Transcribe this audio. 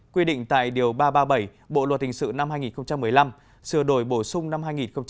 quy định tại điều ba trăm ba mươi bảy bộ luật hình sự năm hai nghìn một mươi năm sửa đổi bổ sung năm hai nghìn một mươi bảy